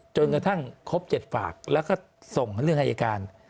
จนกระทั่งครบ๗ฝากแล้วก็ส่งเรื่องอายการ